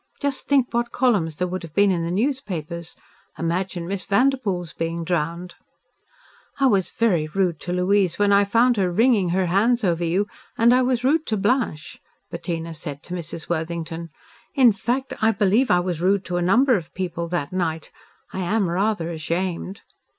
Just think what columns there would have been in the newspapers. Imagine Miss Vanderpoel's being drowned." "I was very rude to Louise, when I found her wringing her hands over you, and I was rude to Blanche," Bettina said to Mrs. Worthington. "In fact I believe I was rude to a number of people that night. I am rather ashamed."